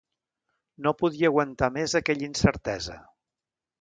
No podia aguantar més aquella incertesa.